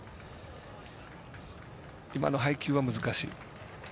今の配球は難しい。